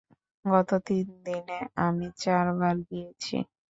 গত তিন দিনে আমি চার বার গিয়েছি।